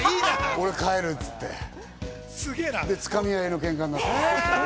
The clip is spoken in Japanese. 俺、帰るって言って掴み合いのケンカになった。